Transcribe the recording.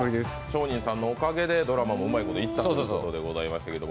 上人さんのおかげでドラマもうまいこといったということでした。